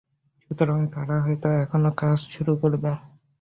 সুতরাং, তারা হয়তো এখনই কাজ শুরু করবে।